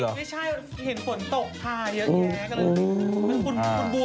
ไม่ใช่เห็นฝนตกคาเยอะแค่